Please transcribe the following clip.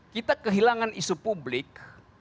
kita kehilangan isu publik